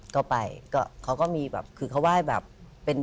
ก็ไปก็เขาก็มีแบบคือเขาไหว้แบบเป็น